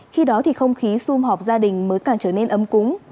khi đó thì không khí xung họp gia đình mới càng trở nên ấm cúng